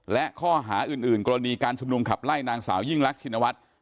และข้อหาอื่นกรณีการชุมนุมขับไล่นางสาวยิ่งรักชินวัฒน์